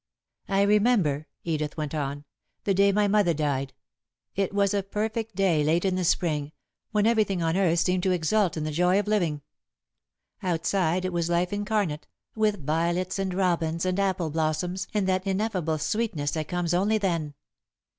"I remember," Edith went on, "the day my mother died. It was a perfect day late in the Spring, when everything on earth seemed to exult in the joy of living. Outside, it was life incarnate, with violets and robins and apple blossoms and that ineffable sweetness that comes only then.